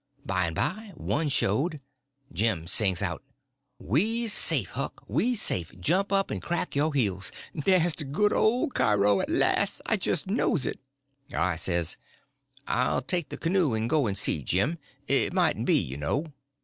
By and by one showed. Jim sings out: "We's safe, Huck, we's safe! Jump up and crack yo' heels! Dat's de good ole Cairo at las', I jis knows it!" I says: "I'll take the canoe and go and see, Jim. It mightn't be, you know."